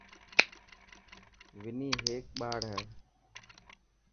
وني هيڪ ٻاڙ هي.